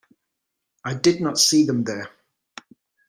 I did not see them there.